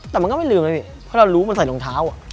แต่มันก็ไม่ลืมนะพี่เพราะเรารู้มันใส่รองเท้า